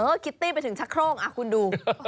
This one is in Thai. เออคิตตี้ไปถึงชักโครงคุณดู